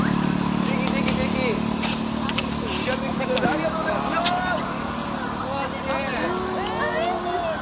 ありがとうございますよーし！